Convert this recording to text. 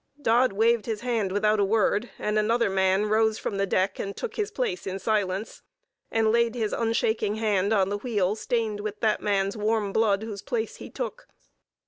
Dodd waved his hand without a word, and another man rose from the deck, and took his place in silence, and laid his unshaking hand on the wheel stained with that man's warm blood whose place he took.